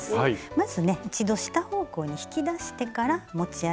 まずね一度下方向に引き出してから持ち上げると。